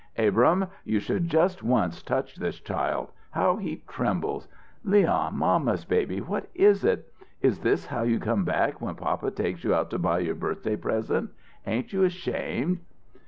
"Abrahm you should just once touch this child! How he trembles! Leon mamma's baby what is it is this how you come back when papa takes out to buy your birthday present? Ain't you ashamed?"